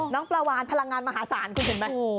ปลาวานพลังงานมหาศาลคุณเห็นไหม